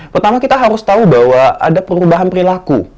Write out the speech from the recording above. pertama kita harus tahu bahwa ada perubahan perilaku